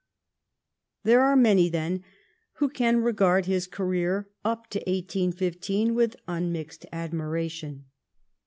There are many, then, who can regard his career up to 1815 with unmixed admiration.